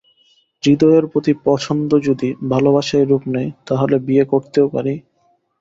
হৃদয়ের প্রতি পছন্দ যদি ভালোবাসায় রূপ নেয় তাহলে বিয়ে করতেও পারি।